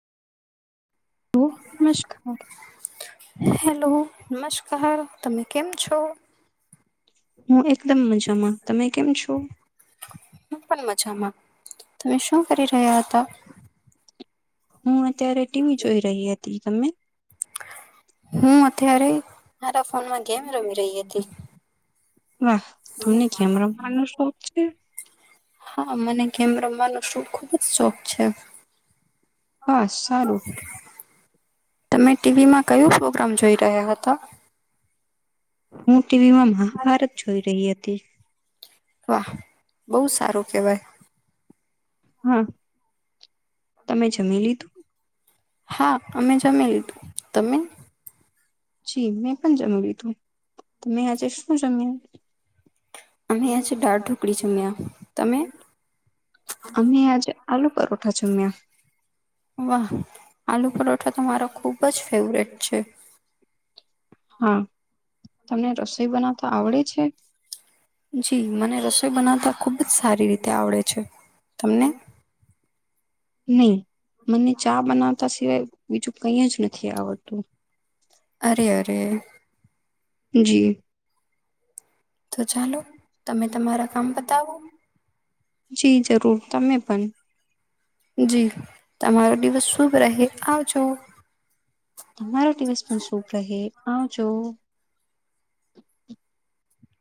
તો મશખા હેલો. નમસ્કાર. તમે કેમ છો? હું એકદમ મજામાં, તમે કેમ છો? પણ મજામાં તમે શું કરી રહ્યા હતા? હમ્મ. અત્યારે ટીવી જોઈ રહી હ તી તમે? હું અત્યારે મારા ફોનમાં ગેમ રમી રહી હતી. વાહ! તમને ગેમ રમવાનો શોખ છે? આ મને ગેમ રમવાનું સુખ શોખ છે. બસ સારું. તમે ટીવીમાં કયોું પ્રોગ્રામ જોઈ રહ્યા હતા [inaudible] ટીવી માં મહાભારત જોઈ રહી હતી [inaudible] વાહ બહુ સારું કેવાય હા તમે જમી લીધું હા અમે જમેી લીધું તમેલ જી મેં પણ જમ્યું લીધું તમેં આજે શું જમ્યા અમે આજે આલુ પરોઠા જમ્યા વાહ આલુ પરોઠા તો મારો ખુબ જ ફેવરેટ છે હા તમને રસોઈ બનાવતા આવડે છે જી મને રસોઈ બનાવતા ખુબ જ સારી રીતે આવડે છે તમને નહી મને ચા બનાવતા સિવાય બીજું કઈ જ નથી આવડતું અરે અરે જી જી જરૂર તમે પણન તમારા પણ શભ રહે હા જોો